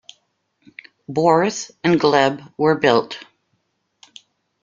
Boris and Gleb were built.